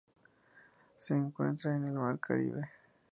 Se encuentra en el Mar Caribe.